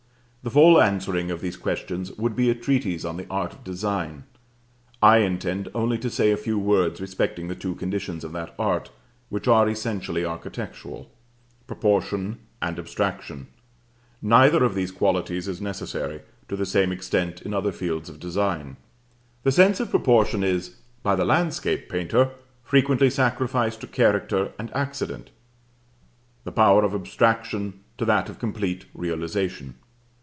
The full answering of these questions would be a treatise on the art of design: I intend only to say a few words respecting the two conditions of that art which are essentially architectural, Proportion and Abstraction. Neither of these qualities is necessary, to the same extent, in other fields of design. The sense of proportion is, by the landscape painter, frequently sacrificed to character and accident; the power of abstraction to that of complete realisation.